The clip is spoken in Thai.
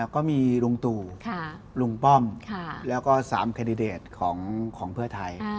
ก็มีลุงตุ๋ลุงป้อมแล้วก็๓ขบของเพื่อไทย